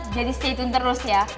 jadi stay tune terus ya